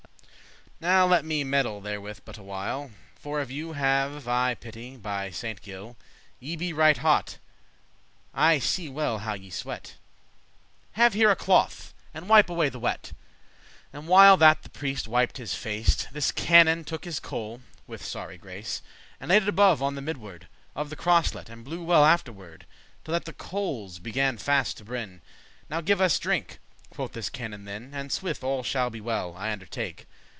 "Now let me meddle therewith but a while, For of you have I pity, by Saint Gile. Ye be right hot, I see well how ye sweat; Have here a cloth, and wipe away the wet." And while that the prieste wip'd his face, This canon took his coal, — *with sorry grace,* — *evil fortune And layed it above on the midward attend him!* Of the croslet, and blew well afterward, Till that the coals beganne fast to brenn.* *burn "Now give us drinke," quoth this canon then, "And swithe* all shall be well, I undertake.